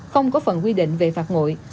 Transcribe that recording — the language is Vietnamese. không có phần quy định về phạt nguội